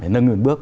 nâng nguyên bước